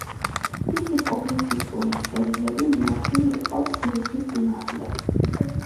მისი პუბლიცისტური წერილები მიმართული იყო ცარიზმის წინააღმდეგ.